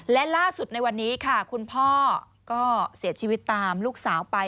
และล่าสุดในวันนี้ค่ะคุณพ่อก็เสียชีวิตตามลูกสาวไป